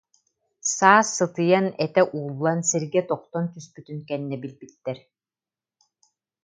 Саас сытыйан, этэ ууллан, сиргэ тохтон түспүтүн кэннэ билбиттэр